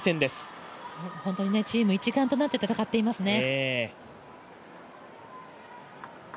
チーム一丸となって戦っていますね。